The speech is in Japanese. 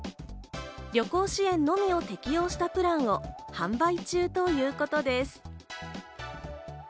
旅行支援のみを適用したプランを販売中ということです。